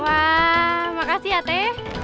wah makasih ya teh